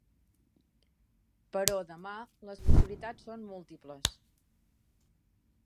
Però demà les possibilitats són múltiples.